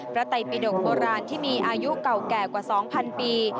ไตปิดกโบราณที่มีอายุเก่าแก่กว่า๒๐๐ปี